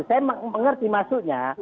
saya mengerti maksudnya